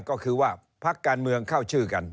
ก็คือว่าพักการเมืองเข้าชื่อกัน